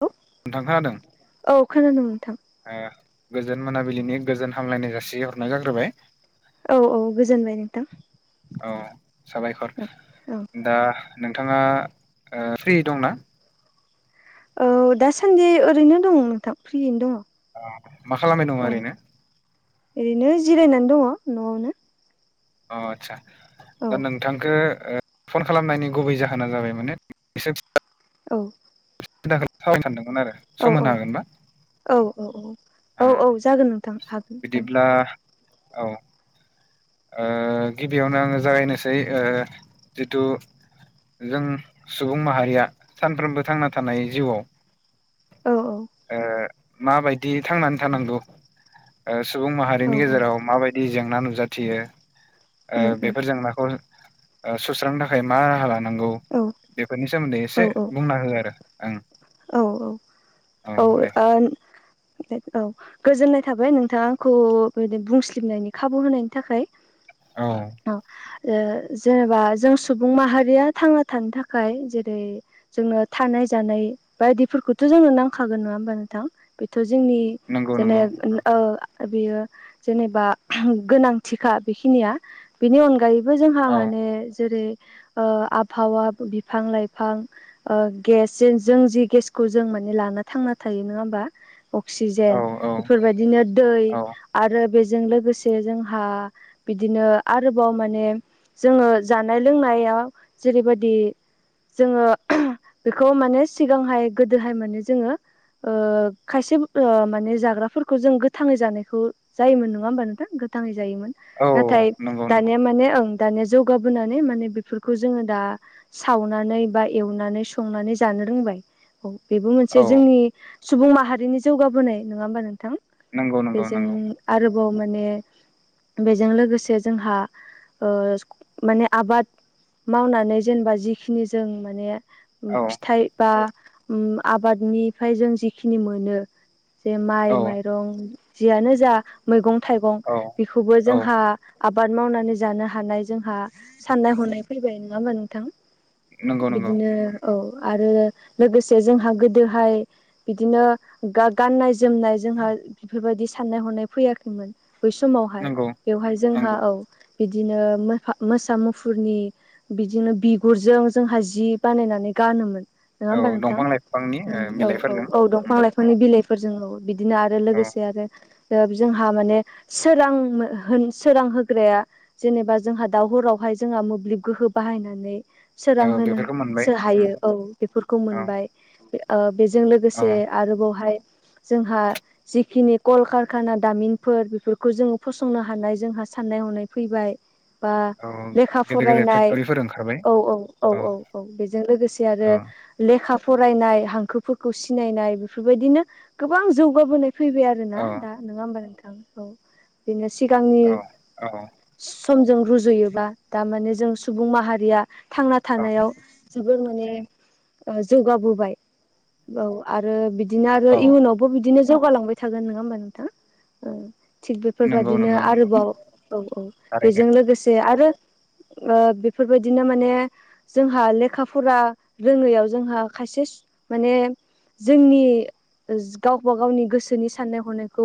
औ नोंथां खोनादों औ खोनादों नोंथां ओ गोजोन मोनाबिलिनि गोजोन हामलायनाय जासि हरनाय जाग्रोबाय औ औ गोजोनबाय नोंथां औ साबायखर औ दा नोंथाङा ओ फ्रि दं ना? औ दासान्दि ओरैनो दङ नोंथां फ्रियैनो दङ। मा खालामनाय दङ औ ओरैनो? ओरैनो जिरायनानै दङ न'आवनो। अ आदसा औ दा नोंथांखो ओ फन खालामनायनि गुबै जाहोना जाबाय माने इसे औ। सिन्था [unintelligible] सानदोंमोन आरो औ सम होनो हागोनबा? औ औ औ औ औ जागोन नोंथां हागोन। बिदिब्ला ओ औ ओ गिबियावनो आङो जागायनोसै ओ जिथु जों सुबुं माहारिया सानफ्रोमबो थांना थानाय जिउआव औ औ। ओ माबायदि थांनानै थानांगौ ओ सुबुं औ माहारिनि औ गेजेराव माबायदि? दि जेंना नुजाथियो। ओ उम उम बेफोर जेंनाखौ ओ सुस्रांनो थाखाय मा राहा लानो? नांगौ औ बेफोरनि सोमोन्दै औ एसे बुंना हो आरो ओं औ औ औ ओ औ गोजोननाय थाबाय नोंथां आंखौ बि बुंसलिबनायनि खाबु होनायनि थाखाय औ। ओ जेनेबा जों सुबुं माहारिया थांना थानो थाखाय जेरै जोंनो थानाय जानाय। बायदिफोरखौथ' जोंनो नांखागोन नङा होमबा नोंथां बेथ' जोंनि नंगौ जेने नंगौ ओ बेयो जेनेबा गोनांथिखा बेखिनिया बेनि अनगायै बो जोंहा औ माने जेरै आबहावा बिफां लाइफां गेसजों जों जि गेसखौ जों माने लाना थांना थायो नङा होमबा? औ अक्सिजेन औ बेफोरबायदिनो दै औ आरो। बेजों लोगोसे जोंहा बिदिनो आरोबाव माने जोङो जानाय लोंनायाव जेरैबायदि जोङो बेखौ माने सिगांहाय गोदोहाय माने जोङो। ओ खायसे ओ माने जाग्राफोरखौ जों गोथाङै जानायखौ। जायोमोन नङा होमबा नोंथां गोथाङै जायोमोन औ नाथाय नंगौ नंगौ दानिया माने ओं। दानिया जौगाबोनानै माने बेफोरखौ जोङो दा सावनानै बा एवनानै संनानै जानो रोंबाय औ बेबो औ मोनसे जोंनि सुबुं माहारिनि जौगाबोनाय नङा होमबा नोंथां नंगौ नंगौ बेजों नंगौ आरोबाव माने बेजों लोगोसे जोंहा माने आबाद मावनानै जेनेबा जिखिनि जों माने औ फिथाइ बा आबादनिफ्राय जों जिखिनि मोनो जे माइ औ माइरं जियानो जा मैगं-थाइगं औ बेखौबो औ जोंहा आबाद मावनानै जानो हानाय जोंहा साननाय हनाय फैबाय नङा होमबा नोंथां नंगौ नंगौ बिदिनो औ आरो लोगोसे जोंहा गोदोहाय बिदिनो गाननाय जोमनाय जोंहा बेफोरबायदि साननाय हनाय फैयाखैमोन बै समावहाय नंगौ बेवहाय जोंहा नंगौ औ बिदिनो मोसा मुफुरनि बिदिनो बिगुरजों जोंहा जि बानायनानै गानोमोन नङा औ होमबा नोंथां दंफां लाइफांनि ओ औ औ बिलाइफोरजों औ उम दंफां लाइाफां औ बिफोरनि बिलाइफोरजों बिदिनो आरो औ लोगोसे आरो जोंहा माने सोर सोरां होग्राया जेनेबा जोंहा दाउ हरावहाय जोंहा मोब्लिब गोहो बाहायनानै सोरां औ बेफोरखौ मोनबाय होनो उम हायो औ बेफोरखौ औ मोनबाय बेजों औ लोगोसे आरोबावहाय जोंहा जिखिनि कलकारखाना दामिनफोर बेफोरखौ जोङो फसंनो हानाय जोंहा साननाय हनाय फैबाय बा औ लेखा गेदेर गेदेर फरायनाय फेक्टरिफोर ओंखारबाय औ औ औ औ औ बेजों लोगोसे आरो औ लेखा फरायनाय हांखोफोरखौ सिनायनाय बेफोरबायदिनो गोबां जौगाबोनाय फैबाय आरो ना औ दा नङा होनबा नोंथां औ बिनो सिगांनि औ औ समजों रुजुयोबा दामाने जों सुबुं माहारिया थांना औ थानायाव जोबोर माने जौगाबोबाय औ आरो बिदिनो आरो औ इयुनाव बो बिदिनो जौगालांबाय थागोन नङा होमबा नोंथां थिग नंगौ बेफोरबादिनो नंगौ नंगौ आरोबाव औ औ थारैनो बेजों लोगोसे आरो बेफोरबायदिनो माने जोंहा लेखाफोरा रोङैआव जोंहा खायसे माने जोंनि गावबा गावनि गोसोनि साननाय हनायखौ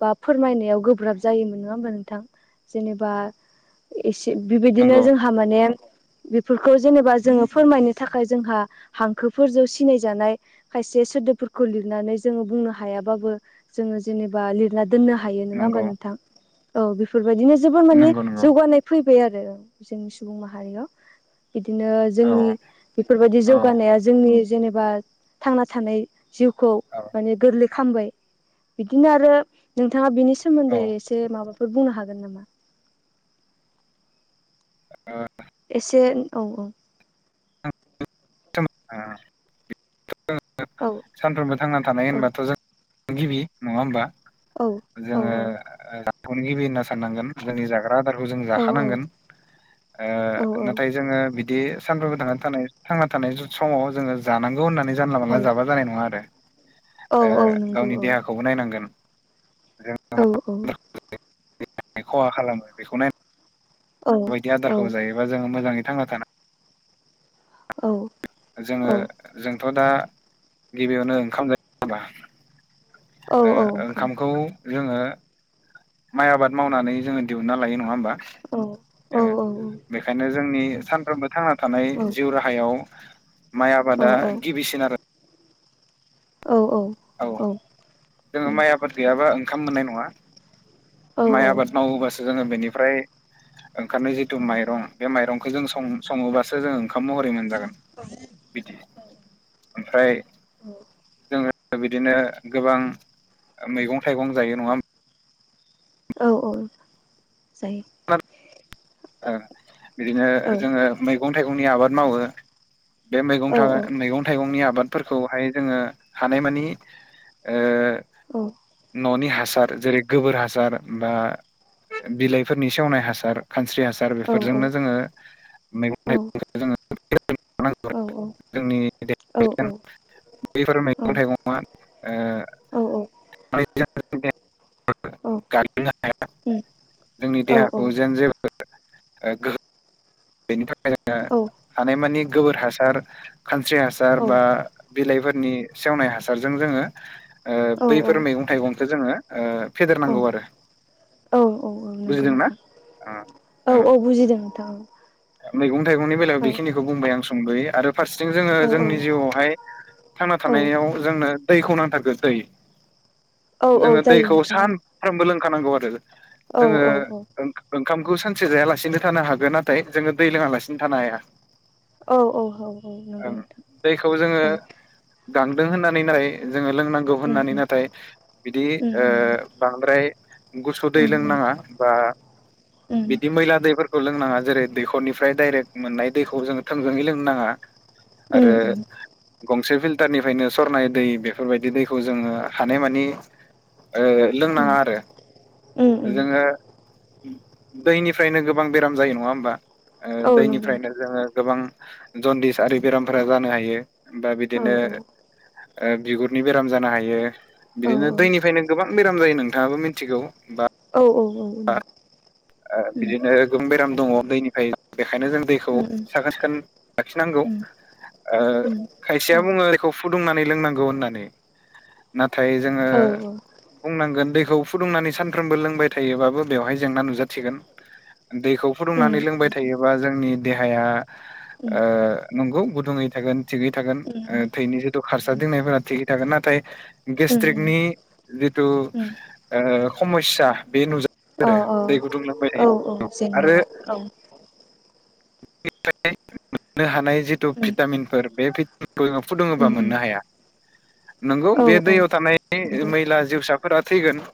बा फोरमायनायाव गोब्राब जायोमोन नङा होमबा नोंथां जेनेबा एसे बिबायदिनो नंगौ जोंहा माने बेफोरखौ जेनेबा जोङो फोरमायनो थाखाय जोंहा हांखोफोरजों सिनायजानाय खायसे सोदोबफोरखौ लिरनानै जोङो बुंनो हायाबाबो जोङो जेनेबा बा लिरना दननो हायो नङा ओमबा नंगौ नोंथां? औ बेफोरबायदिनो जबो माने नंगौ नंगौ जौगानाय फैबाय आरो जोंनि सुबुं माहारियाव बिदिनो औ जोंनि बेफोरबायदि औ जौगानाया जोंनि जेनेबा थांना थानाय जिउखौ माने गोरलै खालामबाय बिदिनो आरो नोंथाङा बिनि औ सोमोन्दै एसे माबाफोर बुंनो हागोन नामा? औ। एसे औ औ। औ सानफ्रोमबो थांना थानाय औ होनबाथ' जों गिबि नङा होमबा औ जोङो अनगिबि होनना साननांगोन जोंनि जागोन। आदारखौ जों औ जाखानांगोन नाथाय औ जोङो बिदि सानफ्रोमबो थांनानै थानाय थांना थानाय समाव जोङो जानांगौ होननानै जानला औ मानला जाबा जानाय नङा आरो औ औ नंगौ गावनि औ देहाखौबो नायनांगोन। औ औ। जों खहा खालामो बेखौ नाय औ बायदि औ आदारखौ जायोबा जोङो मोजाङै थांना थान औ। जोङो औ जोंथ' दा गिबियावनो ओंखाम जायोबा औ ओंखाम ओंखामखौ जोङो माइ आबाद मावनानै जोङो दिहुनना लायो नङा होमबा? औ औ बेखायनो जोंनि सानफ्रोमबो थांना थानाय औ जिउ राहायाव माइ औ आबादा औ गिबिसिन आरो औ औ। औ जोङो माइ आबाद गैयाबा ओंखाम मोननाय नङा। माइ आबाद मावोबासो जोङो बेनिफ्राय ओंखारनाय जिथु माइरं बे माइरंखौ जों सं सङोबासो जोंङ ओंखाम महरै मोनजागोन बिदि ओमफ्राय जोङो बिदिनो गोबां मैगं थाइगं जायो नङा होम औ औ जायो। बिदिनो जोङो मैगं -थाइगंनि आबाद मावो। बे मैगं था मैगं थाइगंनि आबाद फोरखौहाय जोङो हानायमानि ओ औ। न'नि हासार जेरै गोबोर हासार बा बिलाइफोरनि सेवनाय हासार खानस्रि हासार बेफोरजोंनो जोङो मैगं- थाइगं जोङो जोंनि [unintelligible] बफोर मैगं थाइगंङा ओ गाग्नो हाया जोंनि देहाखौ जेन [unintelligible] ए [unintelligible] बेनि थाखाय जोङो हानायमानि गोबोर हासार खानस्रि हासार बा बिलाइफोरनि सेवनाय हासारजों जोङो औ बैफोर मैगं- थाइगंखौ जोङो औ फेदेरनांगौ आरो नंगौ बुजिदोंना? नोंथां ओं औ ओं औ बुजिदों नोंथां मैगं थाइगंनि बेलायाव औ बेखिनिखौ बुंबाय आं संबोयो आरो फारसेथिं जोङो औ औ जोंनि जिउआवहाय थांना औ थानायाव जोंनो दैखौ नांथारगोन दै। औ औ जोङो जायो दैखौ नोंथां सान फ्रामबो लोंखानांगौ आरो औ जोङो औ ओंखामखौ सानसे जायालासिनो थानो हागोन नाथाय जोङो दै लोङालासिनो थानो हाया। औ औ औ औ नंगौ ओं नोंथां दैखौ जोङो औ गांदों होननानै नालथाय जोङो लोंनांगौ उम होननानै नाथाय बिदि उम बांद्राय गुसु दै उम उम लोंनाङा बा उम बिदि मैला दैफोरखौ लोंनाङा जेरै दैखरनिफ्राय डाइरेक्ट मोननाय दैखौ जोङो थोंजोङै लोंनो नाङा उम आरो गंसे फिल्टारनिफ्रायनो सरनाय दै बेफोरबायदि दैखौ जोङो हानायमानि ओ उम उम लोंनाङा आरो उम उम जोङो दैनिफ्रायनो गोबां बेराम जायो नङा होमबा ओ औ नंगौ दैनिफ्रायनो जोङो गोबां जन्दिस आरि बेरामफोरा जानो हायो बा औ बिदिनो औ ओ बिगुरनि बेराम जानो हायो। औ बिदिनो औ दैनिफ्रायनो गोबां बेराम जायो नोंथाङाबो मिथिगौ बा औ औ औ बा नंगौ ओ बिदिनो गोबां बेराम दङ दैनिफ्राय बेखायनो जों दैखौ उम साखोन सिखोन लाखिनांगौ उम ओ उम खायसेया औ बुङो बेखौ फुदुंनानै लोंनांगौ होननानै नाथाय जोङो औ औ बुंनांगोन दैखौ फुदुंनानै सानफ्रोमबो लोंबाय थायो। थायोबाबो बेवहाय जेंना नुजाथिगोन दैखौ उम फुदुंनानै लोंबाय थायोबा जोंनि देहाया उम ओ नंगौ गुदुङै थागोन थिगै थागोन। उम ओ थैनि जिथु खारसा दिंनायफोरा थिगै थागोन। नाथाय उम गेस्ट्रिकनि जिथु उम समस्या बे नुजा आरो औ दै गुदुंलांबाय औ औ औ थायोबा आरो जेंनाया औ फ्राय मोननो हानाय जितु उम भिटामिनफोर बे फुदुङोबा उम उम मोननो हाया नंगौ औ बे औ दैयाव थानाय नंगौ मैला जिउसाफोरा थैगोन।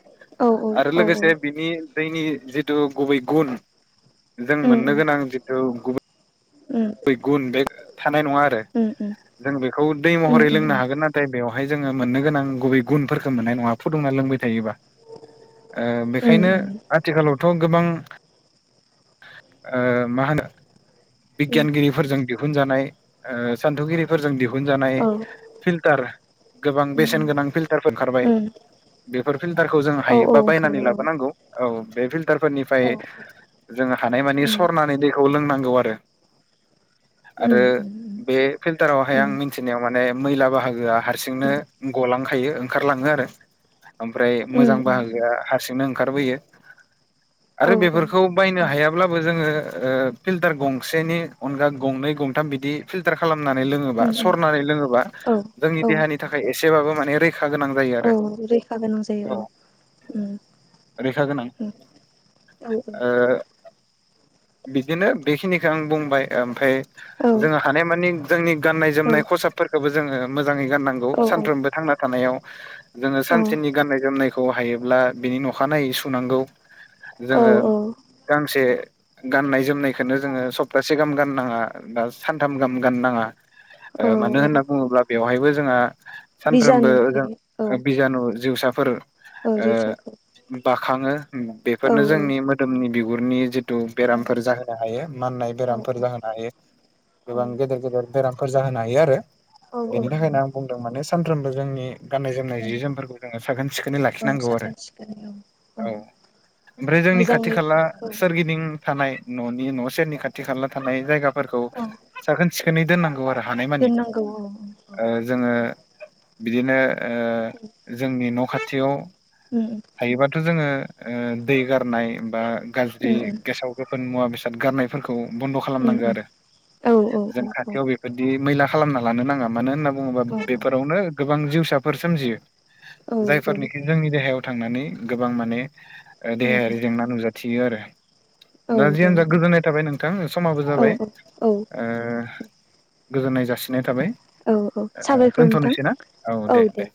औ आरो औ औ लोगोसे बिनि दैनि जिथु गुबै गुन जों उम मोननो उम गोनां जिथु गुबुन उम मैगुन बे थानाय नङा आरो उम उम जों बेखौ दै उम महरै लोंनो उम हागोन नाथाय बेवहाय जोङो मोननो गोनां गुबै गुनफोरफोरखौ मोननाय नङा। फुदुंना लोंबाय थायोबा। ओ बेखायनो उम आथिखालावथ' गोबां ओ मा होनो उम बिगियानगिरिफोरजों दिहुनजानाय सान्थौगिरिफोरजों दिहुनजानाय औ फिल्टार गोबां उम बेसेन गोनां फिलार फिल्टारफोर ओंखारबाय उम बेफोर फिल्टारखौ जों औ हायो बा बायनानै ओंखारबाय औ लाबोनांगौ। औ बे फिल्टार फोरनिफ्राय औ जोङो हानायमानि उम सरनानै दै खौ लोंनांगौ आरो उम आरो उम बे फिल्टारावहाय आं उम मिथिनायाव माने मैला बाहागोआ हारसिंनो उम गलांखायो ओंखारलाङो आरो ओमफ्राय मोजां उम उम बाहागोआ हारसिंनो ओंखारबोयो। औ आरो बेफोरखौ बायनो हायाब्लाबो जोङो ओ फिल्टार गंसेनि अनगा गंनै गंथाम बिदि फिलटार खालामनानै लोङोबा उम उम सरनानै लोङोबा औ जोंनि औ देहानि नि थाखाय एसेबाबो माने रैखा गोनां जायो आरो। औ रैखा गोनां जायो औ रेखा गोनां औ औ ओ बिदिनो बेखिनिखौ आं बुंबाय ओमफ्राय जोङो हानाय मानि जोंनि गाननाय जोमनाय खसाबफोरखौबो जोङो मोजाङै गाननांगौ सानफ्रोमबो थांना थानायाव जोङो औ सानसेनि गाननाय जोमनायखौ हायोब्ला बिनि अखा नायै सुनांगौ। जोङो औ गांसे गाननाय जोमनायखौ जोङो सप्तासे गाहाम गाननाङा बा सानथाम गाहाम गाननाङा ओ औ मानो होनना बुङोब्ला बेवहायबो जोंहा सानफ्रोमबो बिजानु थायो औ बिजानु जिउसाफोर औ ओ जिउसाफोर बाखाङो औ बेफोरनो औ जोंनि मोदोमनि बिगुरनि जि औ बेरामफोर जाहोनो हायो माननाय बेरामफोर जाहोनो हायो औ गोबां गेदेर गेदेर बेरामफोर जाहोनो हायो आरो औ औ बेनि थाखायनो आं बुंदों माने सानफ्रोमबो जोंनि गाननाय जोमनाय जि जोमफोरखौ जो साखोन सिखोनै औ लाखिनांगौ आरो साखोन सिखोनै औ औ ओमफ्राय जोंनि खाथि मोजाङै खाला औ सोरगिदिं थानाय न'नि न' सेरनि खाथि खाला थानाय जायगाफोरखौ औ साखोन सिखोनै दोननांगौ आरो हानाय मानि दोननांगौ औ औ औ जोङो बिदिनो जोंनि न' खाथियाव उम हायोबाथ' जोङो ओ दै गारनाय बा औ गाज्रि गेसाव गोफोन मुवा बेसाद गारनायफोरखौ बन्द' खालामनांगौ आरो औ औ जों खाथियाव बेबायदि मैला खालामना लानो नाङा मानो होनना बुङोबा बेफोरावनो गोबां जिउसाफोर सोमजियो जायफोरनिखि जोंनि देहायाव थांनानै गोबां माने देहायारि जेंना नुजाथियो आरो दा जियानो जा औ गोजोननाय थाबाय नोंथां समाबो जाबाय औ गोजोननाय जासिनाय थाबाय औ ओ साबायखर नोंथां दोनथ'नोसै ना औ दे दे